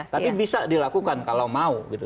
tapi bisa dilakukan kalau mau gitu